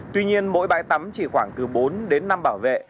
tuy nhiên mỗi bãi tắm chỉ khoảng từ bốn đến năm bảo vệ